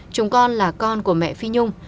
chúng con là con của mẹ phi nhung